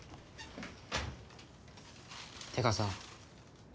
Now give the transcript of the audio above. ってかさ